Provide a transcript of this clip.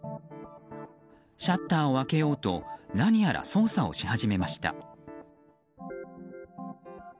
シャッターを開けようと何やら操作をし始めました。